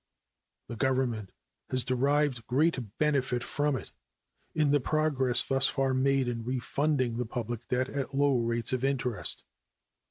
The Government has derived great benefit from it in the progress thus far made in refunding the public debt at low rates of interest.